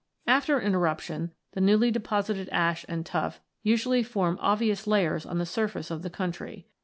. After an eruption, the newly deposited ash and tuff usually form obvious layers on the surface of the country.